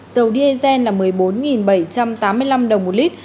dầu diesel là một mươi bốn bảy trăm tám mươi năm đồng một lít